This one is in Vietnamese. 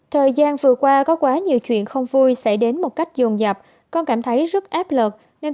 thời gian vừa qua có quá nhiều chuyện không vui xảy đến một cách dồn dập con cảm thấy rất áp lực nên